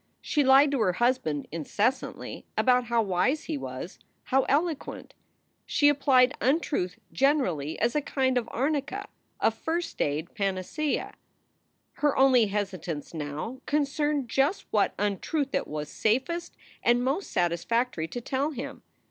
She lied to her husband incessantly about how wise he was, how eloquent. She applied untruth generally as a kind of arnica, a first aid panacea. Her only hesitance now concerned just what untruth it was safest and most satisfactory to tell him.